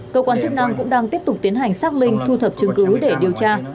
cơ quan chức năng cũng đang tiếp tục tiến hành xác minh thu thập chứng cứ để điều tra